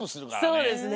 そうですね。